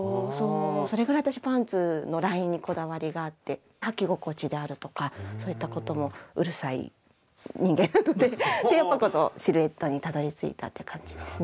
それぐらい私パンツのラインにこだわりがあってはき心地であるとかそういったこともうるさい人間でこのシルエットにたどりついたっていう感じですね。